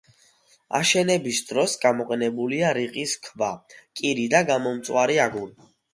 აშენების დროს გამოყენებულია რიყის ქვა, კირი და გამომწვარი აგური.